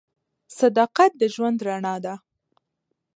• صداقت د ژوند رڼا ده.